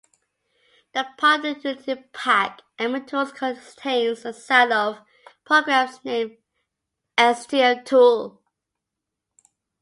The part of utility pack amitools contains a set of programs named xdftool.